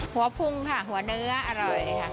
พุงค่ะหัวเนื้ออร่อยค่ะ